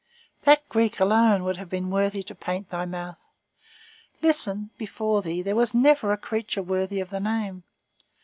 That Greek alone would have been worthy to paint thy mouth. Listen! before thee, there was never a creature worthy of the name.